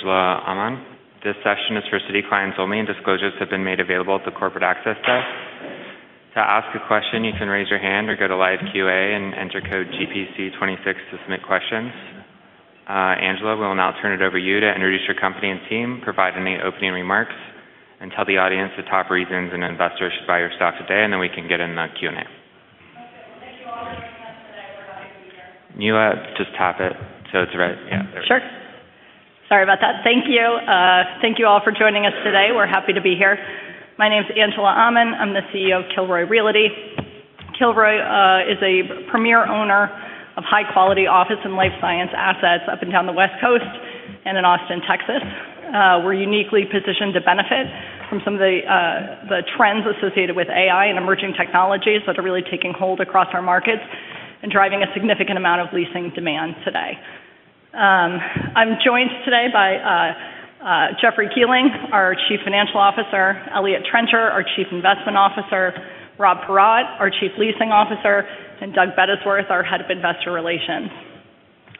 Angela Aman. This session is for Citi clients only. Disclosures have been made available at the corporate access desk. To ask a question, you can raise your hand or go to live Q&A and enter code GPC26 to submit questions. Angela, we'll now turn it over to you to introduce your company and team, provide any opening remarks, and tell the audience the top reasons an investor should buy your stock today, and then we can get in the Q&A. Okay. Thank you all for joining us today. We're happy to be here. You just tap it so it's right. Yeah. There we go. Sure. Sorry about that. Thank you. Thank you all for joining us today. We are happy to be here. My name is Angela Aman. I am the CEO of Kilroy Realty. Kilroy is a premier owner of high-quality office and life science assets up and down the West Coast and in Austin, Texas. We are uniquely positioned to benefit from some of the trends associated with AI and emerging technologies that are really taking hold across our markets and driving a significant amount of leasing demand today. I am joined today by Jeffrey Kuehling, our Chief Financial Officer, Eliott Trencher, our Chief Investment Officer, Rob Perrault, our Chief Leasing Officer, and Doug Bettisworth, our Head of Investor Relations.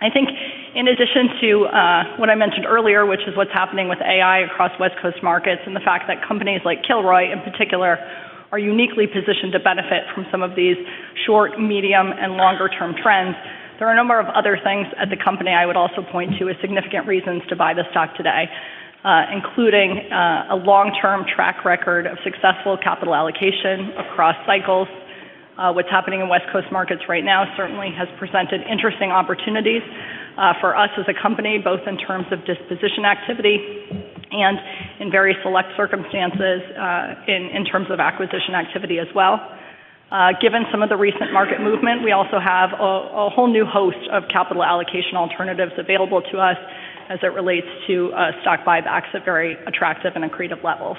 I think in addition to, what I mentioned earlier, which is what's happening with AI across West Coast markets and the fact that companies like Kilroy, in particular, are uniquely positioned to benefit from some of these short, medium, and longer-term trends. There are a number of other things at the company I would also point to as significant reasons to buy the stock today, including, a long-term track record of successful capital allocation across cycles. What's happening in West Coast markets right now certainly has presented interesting opportunities, for us as a company, both in terms of disposition activity and in very select circumstances, in terms of acquisition activity as well. Given some of the recent market movement, we also have a whole new host of capital allocation alternatives available to us as it relates to stock buybacks at very attractive and accretive levels.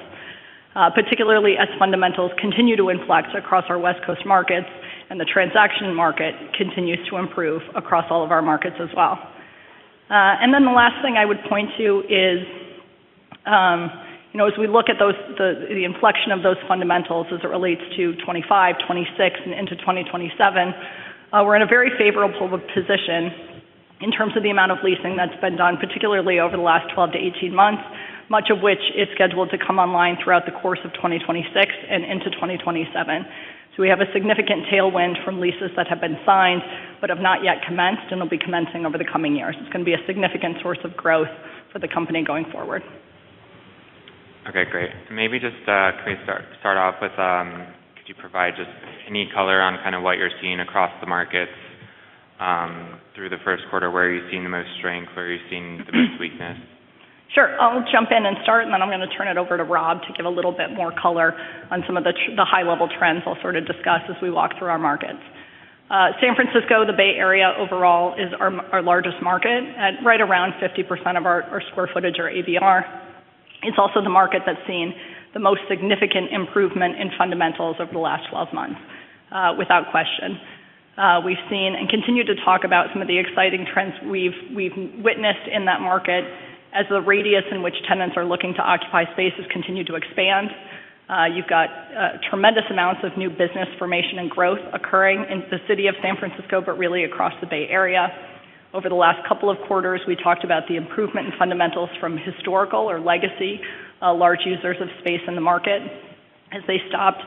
Particularly as fundamentals continue to influx across our West Coast markets and the transaction market continues to improve across all of our markets as well. The last thing I would point to is, you know, as we look at those, the inflection of those fundamentals as it relates to 25, 26 and into 2027, we're in a very favorable position in terms of the amount of leasing that's been done, particularly over the last 12 months-18 months, much of which is scheduled to come online throughout the course of 2026 and into 2027. We have a significant tailwind from leases that have been signed but have not yet commenced and will be commencing over the coming years. It's gonna be a significant source of growth for the company going forward. Okay, great. Maybe just, can we start off with, could you provide just any color on kind of what you're seeing across the markets, through the Q1? Where are you seeing the most strength? Where are you seeing the most weakness? Sure. I'll jump in and start, and then I'm gonna turn it over to Rob to give a little bit more color on some of the high level trends I'll sort of discuss as we walk through our markets. San Francisco, the Bay Area overall is our largest market at right around 50% of our square footage or ABR. It's also the market that's seen the most significant improvement in fundamentals over the last 12 months, without question. We've seen and continue to talk about some of the exciting trends we've witnessed in that market as the radius in which tenants are looking to occupy spaces continue to expand. You've got tremendous amounts of new business formation and growth occurring in the city of San Francisco, but really across the Bay Area. Over the last couple of quarters, we talked about the improvement in fundamentals from historical or legacy, large users of space in the market as they stopped,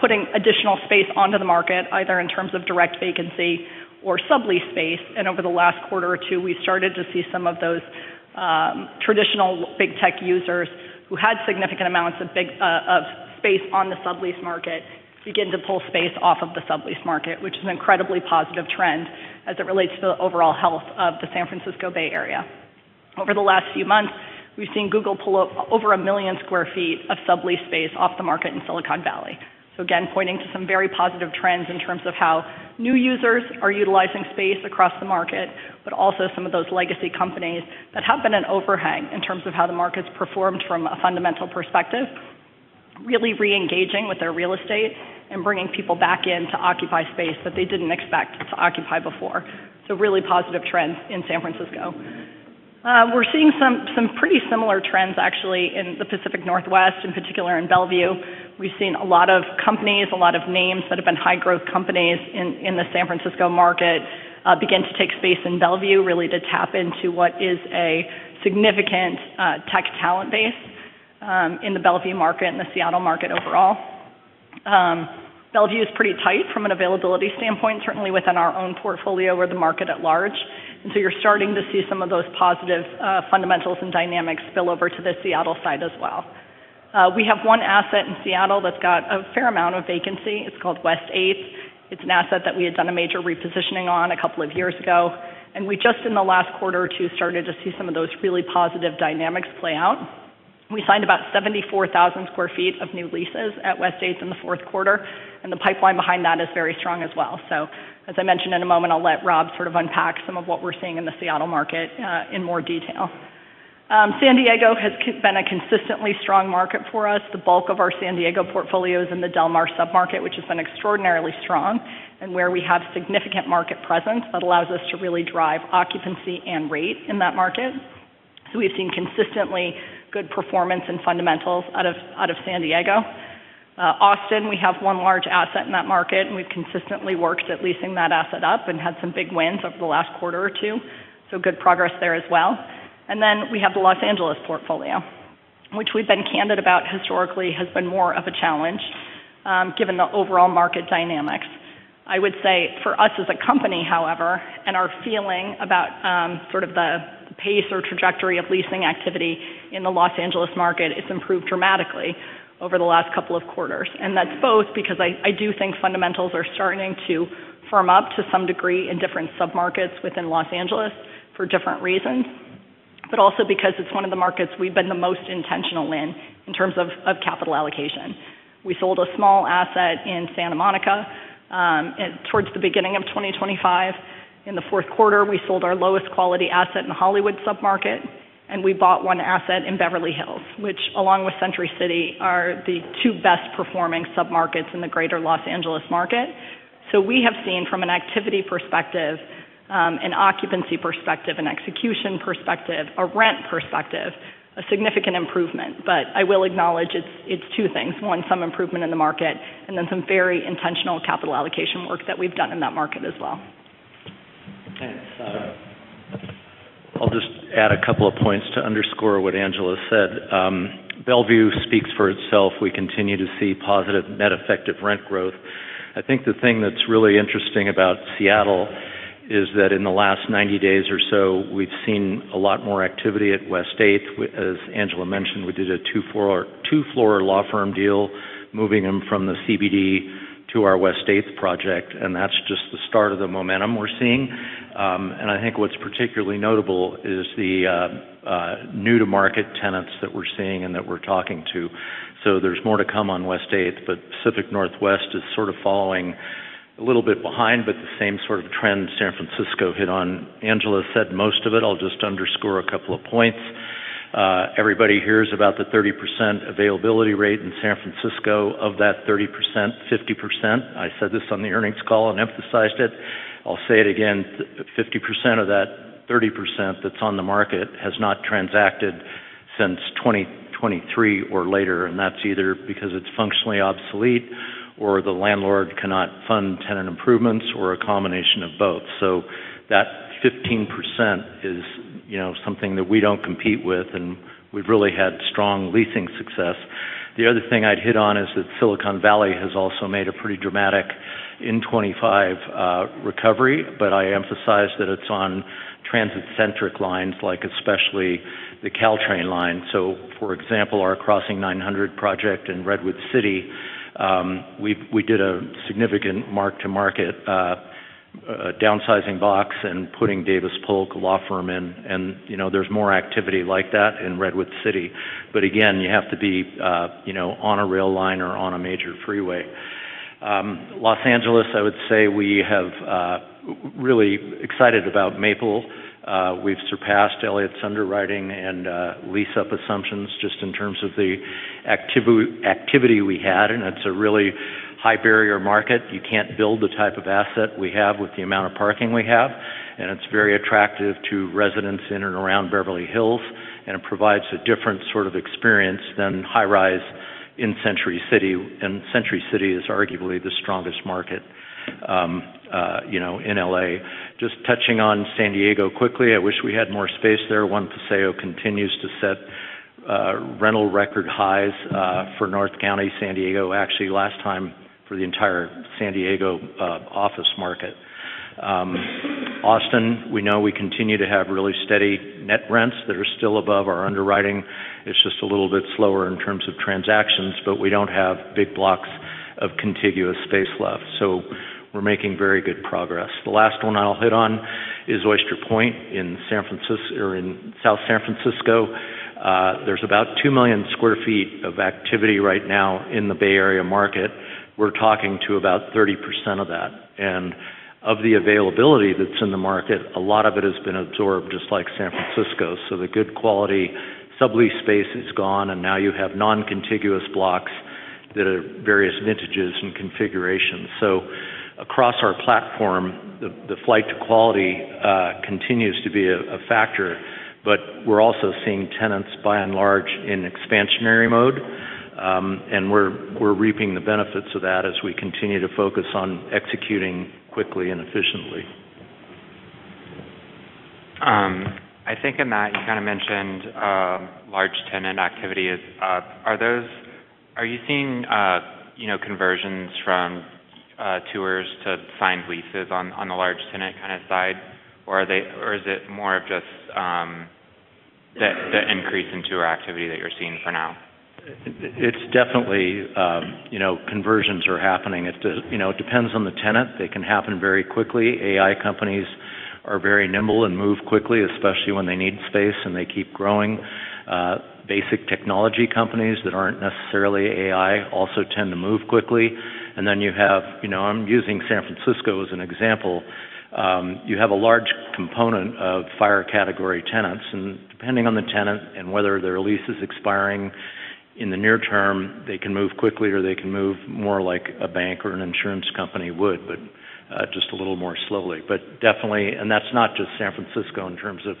putting additional space onto the market, either in terms of direct vacancy or sublease space. Over the last quarter or two, we started to see some of those, traditional big tech users who had significant amounts of space on the sublease market begin to pull space off of the sublease market, which is an incredibly positive trend as it relates to the overall health of the San Francisco Bay Area. Over the last few months, we've seen Google pull up over 1 million sq ft of sublease space off the market in Silicon Valley. Again, pointing to some very positive trends in terms of how new users are utilizing space across the market, but also some of those legacy companies that have been an overhang in terms of how the market's performed from a fundamental perspective, really re-engaging with their real estate and bringing people back in to occupy space that they didn't expect to occupy before. Really positive trends in San Francisco. We're seeing some pretty similar trends actually in the Pacific Northwest, in particular in Bellevue. We've seen a lot of companies, a lot of names that have been high growth companies in the San Francisco market, begin to take space in Bellevue, really to tap into what is a significant tech talent base in the Bellevue market and the Seattle market overall. Bellevue is pretty tight from an availability standpoint, certainly within our own portfolio or the market at large. You're starting to see some of those positive fundamentals and dynamics spill over to the Seattle side as well. We have one asset in Seattle that's got a fair amount of vacancy. It's called West Eighth. It's an asset that we had done a major repositioning on a couple of years ago. We just in the last quarter or two started to see some of those really positive dynamics play out. We signed about 74,000 sq ft of new leases at West Eighth in the Q4, and the pipeline behind that is very strong as well. As I mentioned, in a moment, I'll let Rob sort of unpack some of what we're seeing in the Seattle market in more detail. San Diego has been a consistently strong market for us. The bulk of our San Diego portfolio is in the Del Mar submarket, which has been extraordinarily strong and where we have significant market presence that allows us to really drive occupancy and rate in that market. We've seen consistently good performance and fundamentals out of San Diego. Austin, we have one large asset in that market, and we've consistently worked at leasing that asset up and had some big wins over the last quarter or two. Good progress there as well. We have the Los Angeles portfolio, which we've been candid about historically has been more of a challenge given the overall market dynamics. I would say for us as a company, however, and our feeling about sort of the pace or trajectory of leasing activity in the Los Angeles market, it's improved dramatically over the last couple of quarters. That's both because I do think fundamentals are starting to firm up to some degree in different submarkets within Los Angeles for different reasons, but also because it's one of the markets we've been the most intentional in terms of capital allocation. We sold a small asset in Santa Monica towards the beginning of 2025. In the Q4, we sold our lowest quality asset in the Hollywood submarket, and we bought one asset in Beverly Hills, which along with Century City, are the two best performing submarkets in the greater Los Angeles market. We have seen from an activity perspective, an occupancy perspective, an execution perspective, a rent perspective, a significant improvement. I will acknowledge it's two things. One, some improvement in the market, and then some very intentional capital allocation work that we've done in that market as well. Thanks. I'll just add a couple of points to underscore what Angela said. Bellevue speaks for itself. We continue to see positive net effective rent growth. I think the thing that's really interesting about Seattle is that in the last 90 days or so, we've seen a lot more activity at West Eighth. As Angela mentioned, we did a two floor law firm deal, moving them from the CBD to our West Eighth project, and that's just the start of the momentum we're seeing. I think what's particularly notable is the new to market tenants that we're seeing and that we're talking to. There's more to come on West Eighth, but Pacific Northwest is sort of following a little bit behind, but the same sort of trend San Francisco hit on. Angela said most of it. I'll just underscore a couple of points. Everybody hears about the 30% availability rate in San Francisco. Of that 30%, 50%, I said this on the earnings call and emphasized it. I'll say it again, 50% of that 30% that's on the market has not transacted since 2023 or later. That's either because it's functionally obsolete or the landlord cannot fund tenant improvements or a combination of both. That 15% is, you know, something that we don't compete with, and we've really had strong leasing success. The other thing I'd hit on is that Silicon Valley has also made a pretty dramatic, in 2025, recovery. I emphasize that it's on transit centric lines, like especially the Caltrain line. For example, our Crossing 900 project in Redwood City, we did a significant mark to market downsizing box and putting Davis Polk law firm in. You know, there's more activity like that in Redwood City. Again, you have to be, you know, on a rail line or on a major freeway. Los Angeles, I would say we have really excited about Maple. We've surpassed Eliott's underwriting and lease up assumptions just in terms of the activity we had, and it's a really high barrier market. You can't build the type of asset we have with the amount of parking we have, and it's very attractive to residents in and around Beverly Hills. It provides a different sort of experience than high rise in Century City. Century City is arguably the strongest market, you know, in L.A. Just touching on San Diego quickly, I wish we had more space there. One Paseo continues to set rental record highs for North County San Diego, actually last time for the entire San Diego office market. Austin, we know we continue to have really steady net rents that are still above our underwriting. It's just a little bit slower in terms of transactions, but we don't have big blocks of contiguous space left. We're making very good progress. The last one I'll hit on is Oyster Point or in South San Francisco. There's about 2 million sq ft of activity right now in the Bay Area market. We're talking to about 30% of that. Of the availability that's in the market, a lot of it has been absorbed, just like San Francisco. The good quality sublease space is gone, and now you have non-contiguous blocks that are various vintages and configurations. Across our platform, the flight to quality continues to be a factor. We're also seeing tenants by and large in expansionary mode, and we're reaping the benefits of that as we continue to focus on executing quickly and efficiently. I think in that you kind of mentioned large tenant activity, are you seeing, you know, conversions from tours to signed leases on the large tenant kind of side, or is it more of just the increase in tour activity that you're seeing for now? It's definitely, you know, conversions are happening. It depends on the tenant. They can happen very quickly. AI companies are very nimble and move quickly, especially when they need space, and they keep growing. Basic technology companies that aren't necessarily AI also tend to move quickly. You have, you know, I'm using San Francisco as an example. You have a large component of FIRE category tenants. Depending on the tenant and whether their lease is expiring in the near term, they can move quickly, or they can move more like a bank or an insurance company would, but just a little more slowly. Definitely, that's not just San Francisco in terms of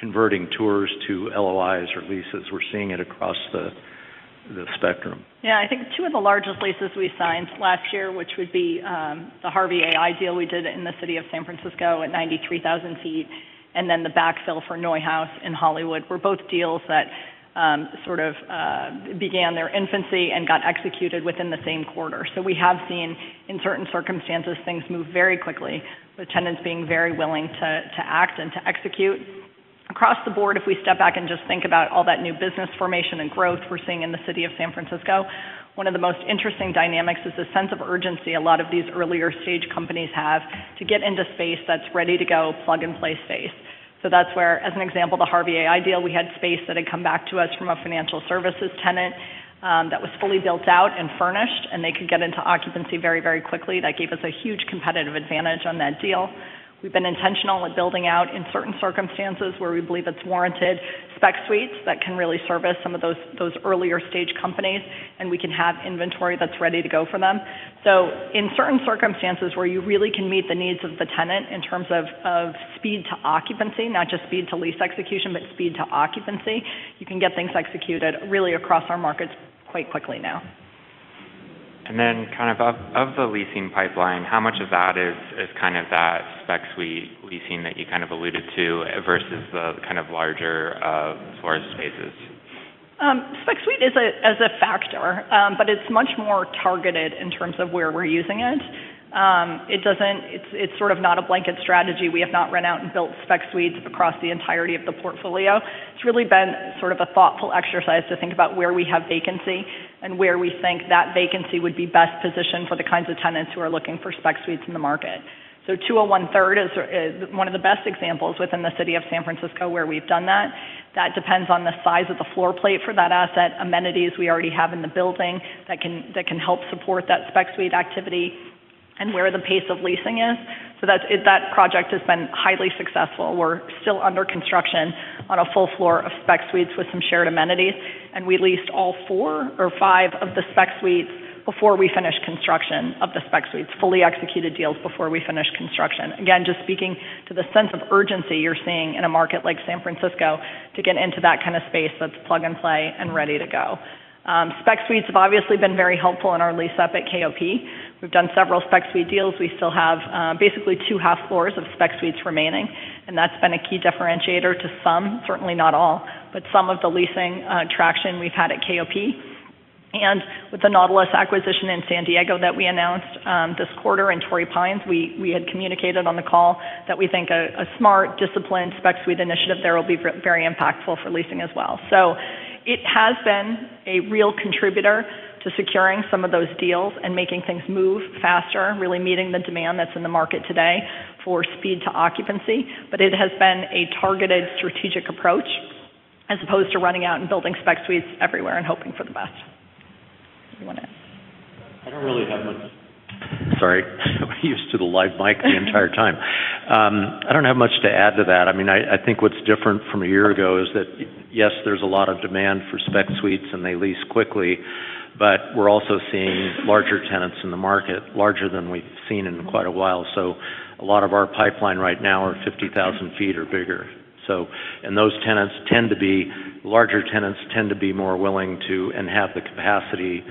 converting tours to LOIs or leases. We're seeing it across the spectrum. I think two of the largest leases we signed last year, which would be the Harvey AI deal we did in the city of San Francisco at 93,000 sq ft, and then the backfill for NeueHouse in Hollywood, were both deals that sort of began their infancy and got executed within the same quarter. We have seen, in certain circumstances, things move very quickly, with tenants being very willing to act and to execute. Across the board, if we step back and just think about all that new business formation and growth we're seeing in the city of San Francisco, one of the most interesting dynamics is the sense of urgency a lot of these earlier stage companies have to get into space that's ready to go, plug-and-play space. That's where, as an example, the Harvey deal, we had space that had come back to us from a financial services tenant, that was fully built out and furnished, and they could get into occupancy very, very quickly. That gave us a huge competitive advantage on that deal. We've been intentional with building out in certain circumstances where we believe it's warranted, spec suites that can really service some of those earlier stage companies, and we can have inventory that's ready to go for them. In certain circumstances where you really can meet the needs of the tenant in terms of speed to occupancy, not just speed to lease execution, but speed to occupancy, you can get things executed really across our markets quite quickly now. Kind of the leasing pipeline, how much of that is kind of that spec suite leasing that you kind of alluded to versus the kind of larger floor spaces? Spec suite is a factor, it's much more targeted in terms of where we're using it. It's sort of not a blanket strategy. We have not run out and built spec suites across the entirety of the portfolio. It's really been sort of a thoughtful exercise to think about where we have vacancy and where we think that vacancy would be best positioned for the kinds of tenants who are looking for spec suites in the market. 201 Third is one of the best examples within the city of San Francisco where we've done that. That depends on the size of the floor plate for that asset, amenities we already have in the building that can help support that spec suite activity, and where the pace of leasing is. That project has been highly successful. We're still under construction on a full floor of spec suites with some shared amenities. We leased all four or five of the spec suites before we finished construction of the spec suites, fully executed deals before we finished construction. Again, just speaking to the sense of urgency you're seeing in a market like San Francisco to get into that kind of space that's plug-and-play and ready to go. Spec suites have obviously been very helpful in our lease up at KOP. We've done several spec suite deals. We still have, basically two half floors of spec suites remaining, and that's been a key differentiator to some, certainly not all, but some of the leasing traction we've had at KOP. With the Nautilus acquisition in San Diego that we announced this quarter in Torrey Pines, we had communicated on the call that we think a smart, disciplined spec suite initiative there will be very impactful for leasing as well. It has been a real contributor to securing some of those deals and making things move faster, really meeting the demand that's in the market today for speed to occupancy. It has been a targeted strategic approach as opposed to running out and building spec suites everywhere and hoping for the best. You want to... I don't really have much. Sorry. I'm used to the live mic the entire time. I don't have much to add to that. I mean, I think what's different from a year ago is that, yes, there's a lot of demand for spec suites, and they lease quickly, but we're also seeing larger tenants in the market, larger than we've seen in quite a while. A lot of our pipeline right now are 50,000 feet or bigger. Larger tenants tend to be more willing to, and have the capacity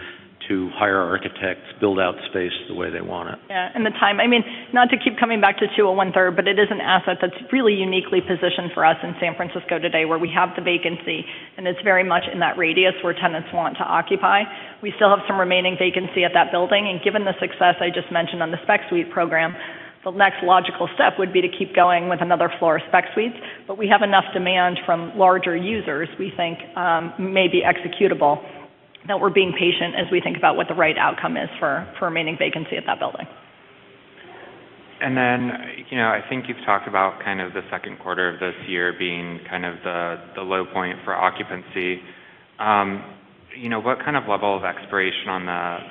to hire architects, build out space the way they want it. Yeah. The time. I mean, not to keep coming back to 201 Third, but it is an asset that's really uniquely positioned for us in San Francisco today, where we have the vacancy, and it's very much in that radius where tenants want to occupy. We still have some remaining vacancy at that building, and given the success I just mentioned on the spec suite program, the next logical step would be to keep going with another floor of spec suites. We have enough demand from larger users we think may be executable, that we're being patient as we think about what the right outcome is for remaining vacancy at that building. You know, I think you've talked about kind of the Q2 of this year being kind of the low point for occupancy. You know, what kind of level of expiration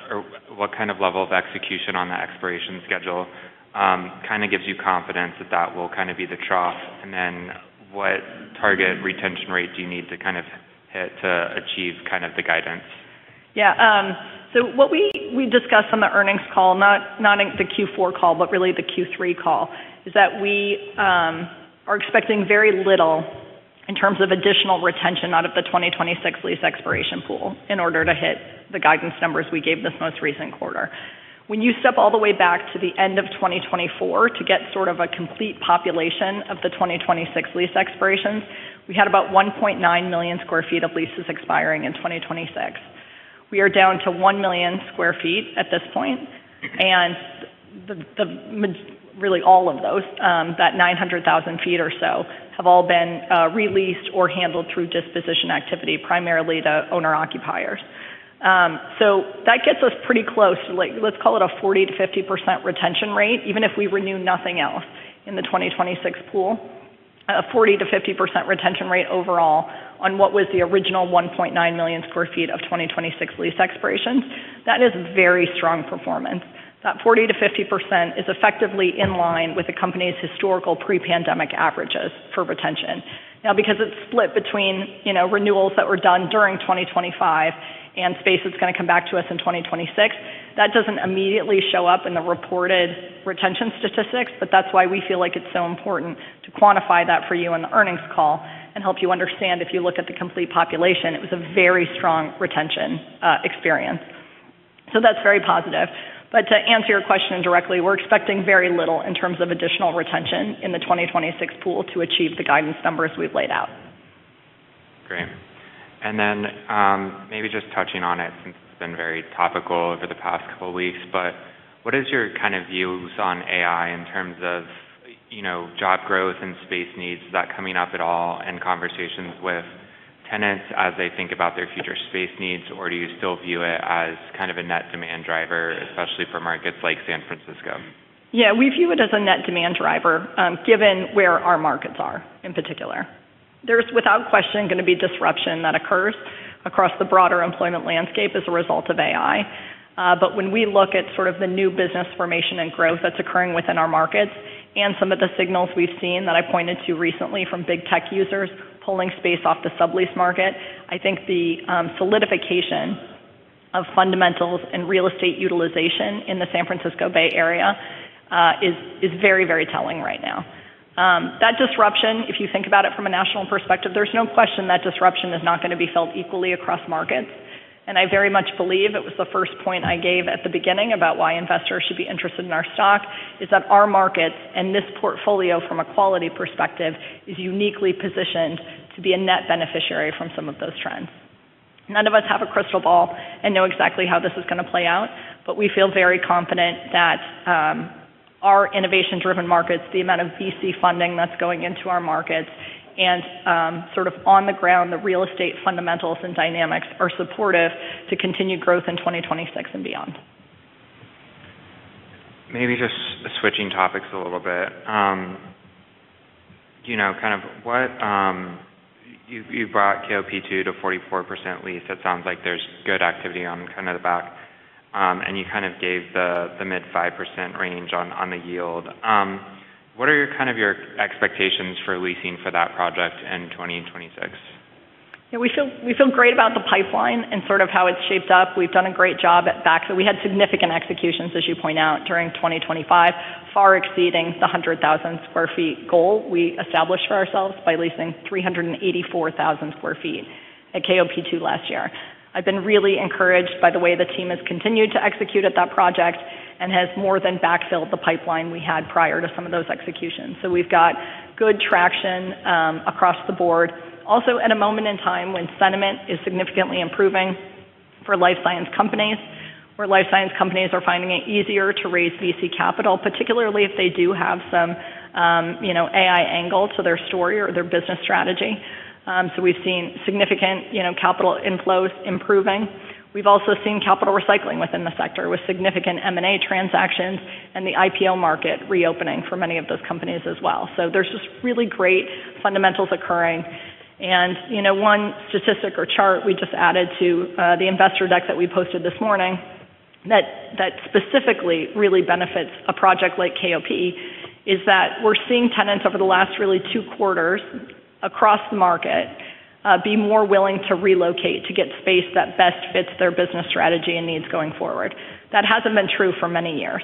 or what kind of level of execution on the expiration schedule kind of gives you confidence that will kind of be the trough? What target retention rate do you need to kind of hit to achieve kind of the guidance? Yeah. What we discussed on the earnings call, not in the Q4 call, but really the Q3 call, is that we are expecting very little in terms of additional retention out of the 2026 lease expiration pool in order to hit the guidance numbers we gave this most recent quarter. When you step all the way back to the end of 2024 to get sort of a complete population of the 2026 lease expirations, we had about 1.9 million sq ft of leases expiring in 2026. We are down to 1 million sq ft at this point. The really all of those, that 900,000 sq ft or so have all been re-leased or handled through disposition activity, primarily the owner occupiers. That gets us pretty close to, like, let's call it a 40%-50% retention rate, even if we renew nothing else in the 2026 pool. A 40%-50% retention rate overall on what was the original 1.9 million sq ft of 2026 lease expirations. That is very strong performance. That 40%-50% is effectively in line with the company's historical pre-pandemic averages for retention. Because it's split between, you know, renewals that were done during 2025 and space that's gonna come back to us in 2026. That doesn't immediately show up in the reported retention statistics, but that's why we feel like it's so important to quantify that for you in the earnings call and help you understand if you look at the complete population, it was a very strong retention experience. That's very positive. To answer your question directly, we're expecting very little in terms of additional retention in the 2026 pool to achieve the guidance numbers we've laid out. Great. Maybe just touching on it since it's been very topical over the past couple weeks, what is your kind of views on AI in terms of, you know, job growth and space needs? Is that coming up at all in conversations with tenants as they think about their future space needs? Do you still view it as kind of a net demand driver, especially for markets like San Francisco? We view it as a net demand driver, given where our markets are in particular. There's, without question, gonna be disruption that occurs across the broader employment landscape as a result of AI. When we look at sort of the new business formation and growth that's occurring within our markets and some of the signals we've seen that I pointed to recently from big tech users pulling space off the sublease market, I think the solidification of fundamentals and real estate utilization in the San Francisco Bay Area is very telling right now. That disruption, if you think about it from a national perspective, there's no question that disruption is not gonna be felt equally across markets. I very much believe, it was the first point I gave at the beginning about why investors should be interested in our stock, is that our markets and this portfolio from a quality perspective is uniquely positioned to be a net beneficiary from some of those trends. None of us have a crystal ball and know exactly how this is gonna play out, we feel very confident that our innovation-driven markets, the amount of VC funding that's going into our markets, and sort of on the ground, the real estate fundamentals and dynamics are supportive to continued growth in 2026 and beyond. Maybe just switching topics a little bit. you know, kind of what You brought KOP two to 44% lease. That sounds like there's good activity on kind of the back. you kind of gave the mid 5% range on the yield. What are your kind of your expectations for leasing for that project in 2026? We feel great about the pipeline and sort of how it's shaped up. We've done a great job at back. We had significant executions, as you point out, during 2025, far exceeding the 100,000 sq ft goal we established for ourselves by leasing 384,000 sq ft at KOP two last year. I've been really encouraged by the way the team has continued to execute at that project and has more than backfilled the pipeline we had prior to some of those executions. We've got good traction across the board. Also at a moment in time when sentiment is significantly improving for life science companies, where life science companies are finding it easier to raise VC capital, particularly if they do have some, you know, AI angle to their story or their business strategy. We've seen significant, you know, capital inflows improving. We've also seen capital recycling within the sector with significant M&A transactions and the IPO market reopening for many of those companies as well. There's just really great fundamentals occurring. You know, one statistic or chart we just added to the investor deck that we posted this morning that specifically really benefits a project like KOP is that we're seeing tenants over the last really two quarters across the market, be more willing to relocate to get space that best fits their business strategy and needs going forward. That hasn't been true for many years,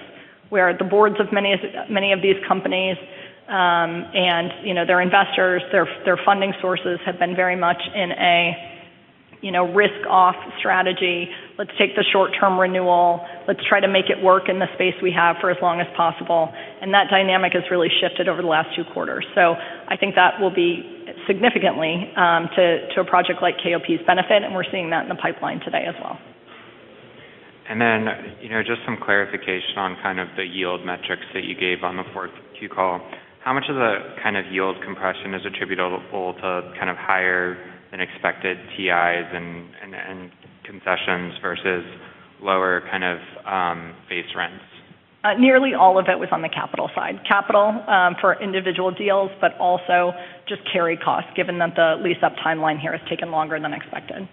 where the boards of many of these companies, you know, their investors, their funding sources have been very much in a, you know, risk-off strategy. Let's take the short-term renewal. Let's try to make it work in the space we have for as long as possible. That dynamic has really shifted over the last two quarters. I think that will be significantly to a project like KOP's benefit, and we're seeing that in the pipeline today as well. You know, just some clarification on kind of the yield metrics that you gave on the Q4 call. How much of the kind of yield compression is attributable to kind of higher than expected TIs and concessions versus lower kind of base rents? Nearly all of it was on the capital side. Capital for individual deals, but also just carry costs, given that the lease up timeline here has taken longer than expected.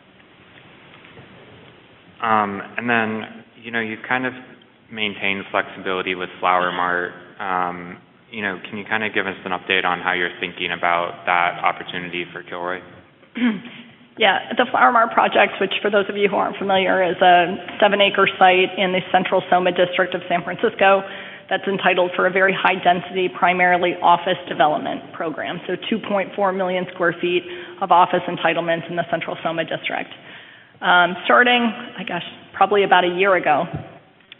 Then, you know, you've kind of maintained flexibility with Flower Mart. You know, can you kind of give us an update on how you're thinking about that opportunity for Kilroy? The Flower Mart project, which for those of you who aren't familiar, is a seven-acre site in the Central SoMa district of San Francisco that's entitled for a very high density, primarily office development program. 2.4 million sq ft of office entitlements in the Central SoMa district. Starting, I guess, probably about a year ago,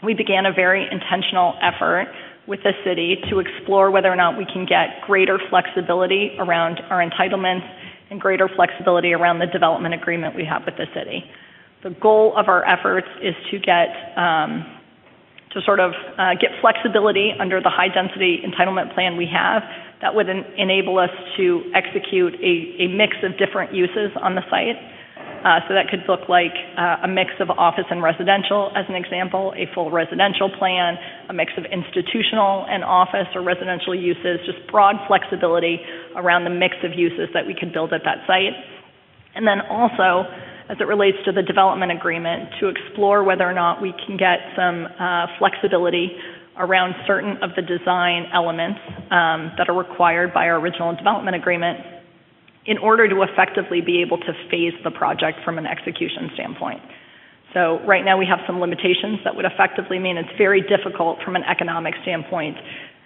we began a very intentional effort with the city to explore whether or not we can get greater flexibility around our entitlements and greater flexibility around the development agreement we have with the city. The goal of our efforts is to get to sort of get flexibility under the high density entitlement plan we have that would enable us to execute a mix of different uses on the site. That could look like a mix of office and residential as an example, a full residential plan, a mix of institutional and office or residential uses, just broad flexibility around the mix of uses that we could build at that site. Also, as it relates to the development agreement, to explore whether or not we can get some flexibility around certain of the design elements that are required by our original development agreement. In order to effectively be able to phase the project from an execution standpoint. Right now we have some limitations that would effectively mean it's very difficult from an economic standpoint,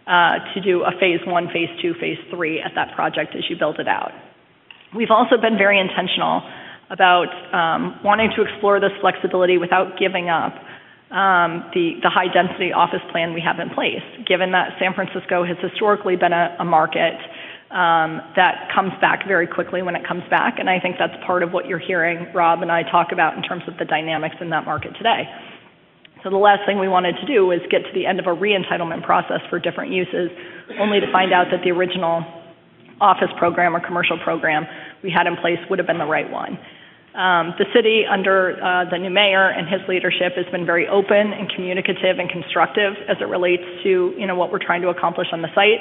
to do a phase I, phase II, phase III at that project as you build it out. We've also been very intentional about wanting to explore this flexibility without giving up the high density office plan we have in place, given that San Francisco has historically been a market that comes back very quickly when it comes back. I think that's part of what you're hearing Rob and I talk about in terms of the dynamics in that market today. The last thing we wanted to do was get to the end of a re-entitlement process for different uses, only to find out that the original office program or commercial program we had in place would've been the right one. The city under the new mayor and his leadership has been very open and communicative and constructive as it relates to, you know, what we're trying to accomplish on the site.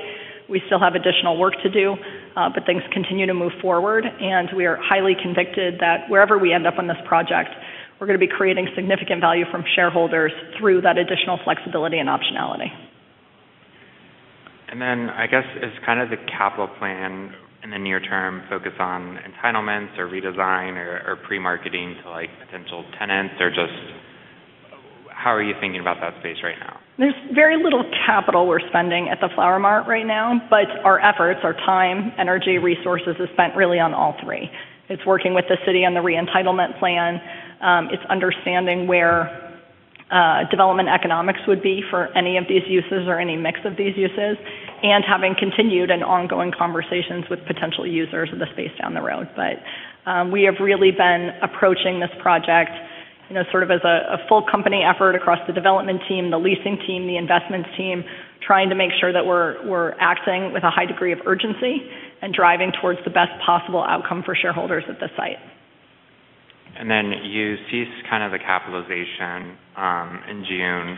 We still have additional work to do, but things continue to move forward, and we are highly convicted that wherever we end up on this project, we're gonna be creating significant value from shareholders through that additional flexibility and optionality. I guess as kind of the capital plan in the near term focus on entitlements or redesign or pre-marketing to like potential tenants or just how are you thinking about that space right now? There's very little capital we're spending at the Flower Mart right now, but our efforts, our time, energy, resources is spent really on all three. It's working with the city on the re-entitlement plan. It's understanding where development economics would be for any of these uses or any mix of these uses, and having continued and ongoing conversations with potential users of the space down the road. We have really been approaching this project, you know, sort of as a full company effort across the development team, the leasing team, the investments team, trying to make sure that we're acting with a high degree of urgency and driving towards the best possible outcome for shareholders at the site. You ceased kind of the capitalization in June.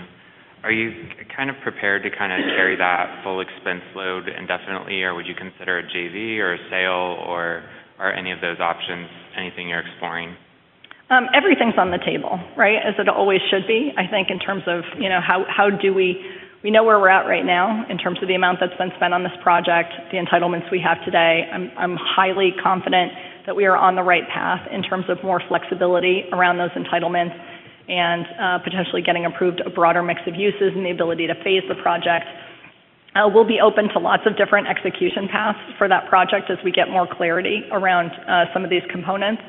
Are you kind of prepared to kind of carry that full expense load indefinitely, or would you consider a JV or a sale, or are any of those options anything you're exploring? Everything's on the table, right? As it always should be. I think in terms of, you know, We know where we're at right now in terms of the amount that's been spent on this project, the entitlements we have today. I'm highly confident that we are on the right path in terms of more flexibility around those entitlements and potentially getting approved a broader mix of uses and the ability to phase the project. We'll be open to lots of different execution paths for that project as we get more clarity around some of these components.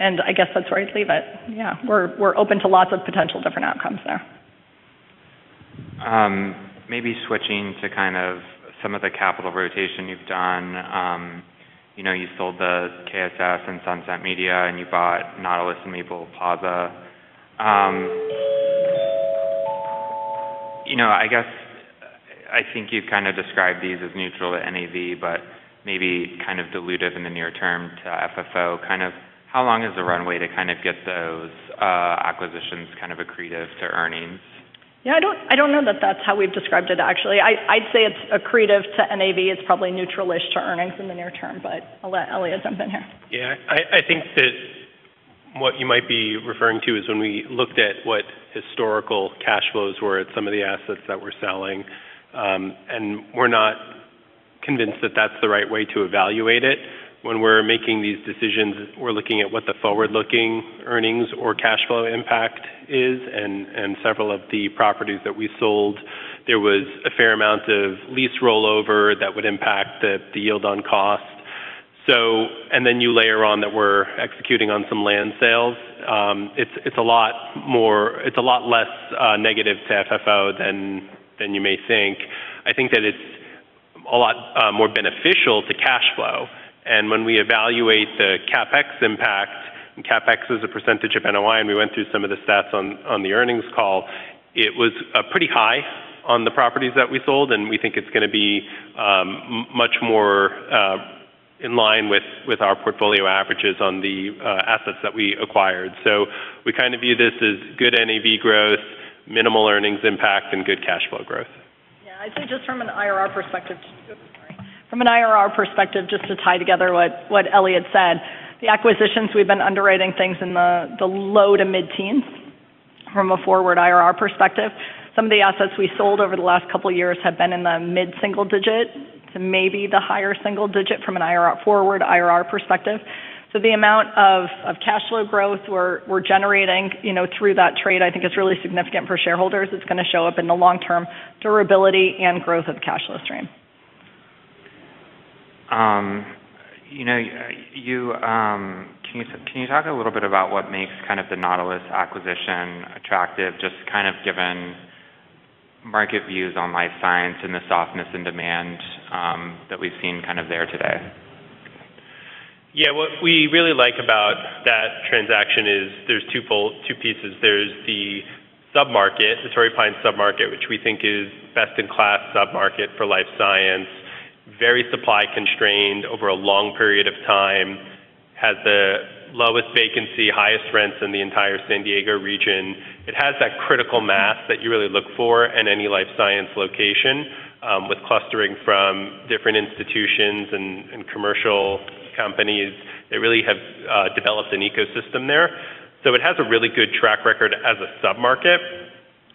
I guess that's where I'd leave it. Yeah. We're open to lots of potential different outcomes there. Maybe switching to kind of some of the capital rotation you've done. You know, you sold the KSS and Sunset Media, and you bought Nautilus and Maple Plaza. You know, I guess I think you've kind of described these as neutral to NAV, but maybe kind of dilutive in the near term to FFO. Kind of how long is the runway to kind of get those acquisitions kind of accretive to earnings? Yeah, I don't know that that's how we've described it actually. I'd say it's accretive to NAV. It's probably neutral-ish to earnings in the near term, I'll let Eliott jump in here. I think that what you might be referring to is when we looked at what historical cash flows were at some of the assets that we're selling, we're not convinced that that's the right way to evaluate it. When we're making these decisions, we're looking at what the forward-looking earnings or cash flow impact is. Several of the properties that we sold, there was a fair amount of lease rollover that would impact the yield on cost. You layer on that we're executing on some land sales. It's a lot less negative to FFO than you may think. I think that it's a lot more beneficial to cash flow. When we evaluate the CapEx impact, and CapEx is a percentage of NOI, and we went through some of the stats on the earnings call, it was pretty high on the properties that we sold, and we think it's gonna be much more in line with our portfolio averages on the assets that we acquired. We kind of view this as good NAV growth, minimal earnings impact, and good cash flow growth. Yeah. I'd say just from an IRR perspective, just to tie together what Eliott said, the acquisitions, we've been underwriting things in the low to mid-teens from a forward IRR perspective. Some of the assets we sold over the last couple years have been in the mid-single digit to maybe the higher single digit from a forward IRR perspective. The amount of cash flow growth we're generating, you know, through that trade, I think is really significant for shareholders. It's gonna show up in the long term durability and growth of cash flow stream. You know, you, Can you talk a little bit about what makes kind of the Nautilus acquisition attractive, just kind of given market views on life science and the softness and demand, that we've seen kind of there today? What we really like about that transaction is there's two pieces. There's the sub-market, the Torrey Pines sub-market, which we think is best in class sub-market for life science. Very supply constrained over a long period of time, has the lowest vacancy, highest rents in the entire San Diego region. It has that critical mass that you really look for in any life science location, with clustering from different institutions and commercial companies that really have developed an ecosystem there. It has a really good track record as a sub-market.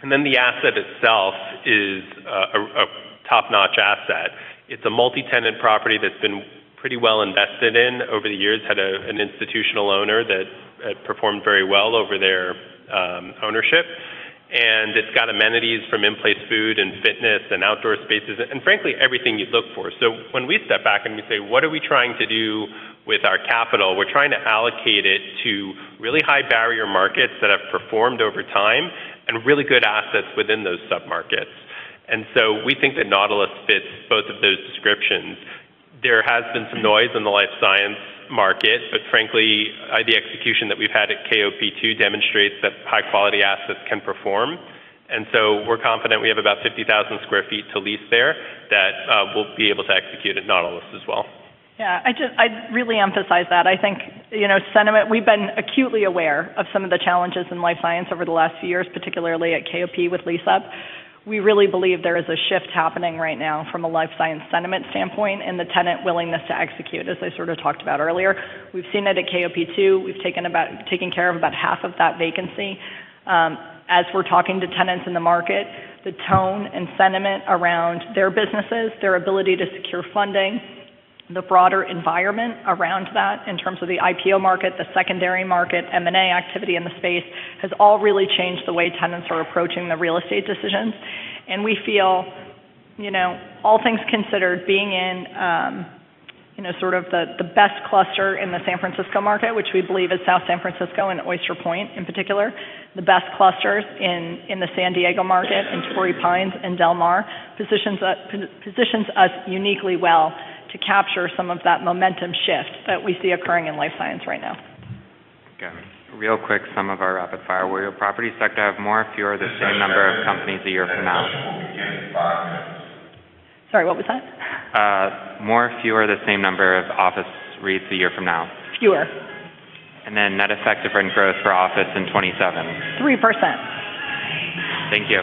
Then the asset itself is a top-notch asset. It's a multi-tenant property that's been pretty well invested in over the years, had an institutional owner that performed very well over their ownership. It's got amenities from in-place food and fitness and outdoor spaces and, frankly, everything you'd look for. When we step back and we say, what are we trying to do with our capital? We're trying to allocate it to really high barrier markets that have performed over time and really good assets within those sub-markets. We think that Nautilus fits both of those descriptions. There has been some noise in the life science market, but frankly, the execution that we've had at KOP two demonstrates that high quality assets can perform. We're confident we have about 50,000 square feet to lease there that we'll be able to execute at Nautilus as well. I'd really emphasize that. I think, you know, sentiment, we've been acutely aware of some of the challenges in life science over the last few years, particularly at KOP with lease-up. We really believe there is a shift happening right now from a life science sentiment standpoint and the tenant willingness to execute, as I sort of talked about earlier. We've seen it at KOP two. We've taken care of about half of that vacancy. As we're talking to tenants in the market, the tone and sentiment around their businesses, their ability to secure funding, the broader environment around that in terms of the IPO market, the secondary market, M&A activity in the space, has all really changed the way tenants are approaching the real estate decisions. We feel, you know, all things considered, being in, you know, sort of the best cluster in the San Francisco market, which we believe is South San Francisco and Oyster Point in particular, the best clusters in the San Diego market, in Torrey Pines and Del Mar, positions us uniquely well to capture some of that momentum shift that we see occurring in life science right now. Okay. Real quick, some of our rapid fire. Will your property sector have more, fewer, the same number of companies a year from now? Sorry, what was that? More, fewer, the same number of office REITs a year from now. Fewer. Net effective rent growth for office in 2027. 3%. Thank you.